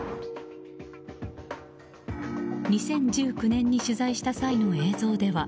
２０１９年に取材した際の映像では